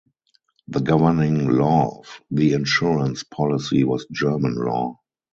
The governing law of the insurance policy was German law.